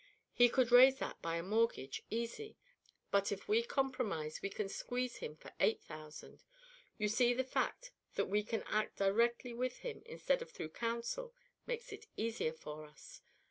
He could raise that by a mortgage, easy; but if we compromise we can squeeze him for eight thousand. You see, the fact that we can act directly with him instead of through counsel makes it easier for us.